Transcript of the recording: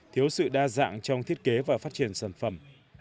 thiếu sự đa dạng trong thiết kế và phát triển sản phẩm